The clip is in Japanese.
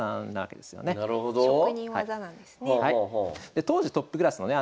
で当時トップクラスのね